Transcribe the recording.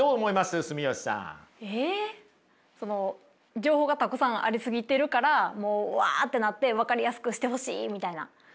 情報がたくさんありすぎてるからもうわってなって分かりやすくしてほしいみたいな。